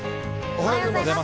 おはようございます。